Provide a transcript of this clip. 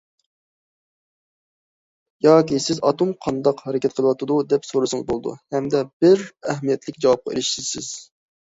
ياكى سىز ئاتوم قانداق ھەرىكەت قىلىۋاتىدۇ دەپ سورىسىڭىز بولىدۇ ھەمدە بىر ئەھمىيەتلىك جاۋابقا ئېرىشىسىز.